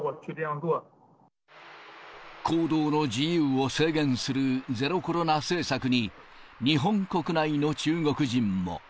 行動の自由を制限するゼロコロナ政策に、日本国内の中国人も。